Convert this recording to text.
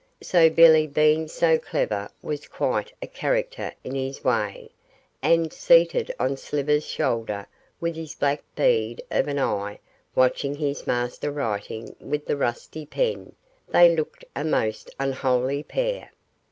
So Billy being so clever was quite a character in his way, and, seated on Slivers' shoulder with his black bead of an eye watching his master writing with the rusty pen, they looked a most unholy pair.